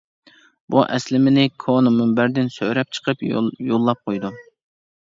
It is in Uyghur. بۇ ئەسلىمىنى «كونا مۇنبەر» دىن سۆرەپ چىقىپ يوللاپ قويدۇم.